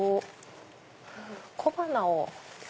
小花を。